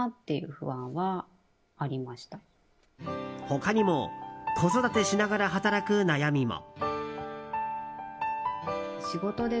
他にも、子育てしながら働く悩みも。